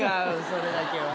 それだけは。